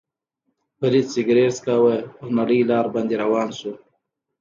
فرید سګرېټ څکاوه، پر نرۍ لار باندې روان شو.